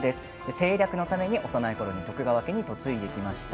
政略のために幼いころに徳川家に嫁いできました。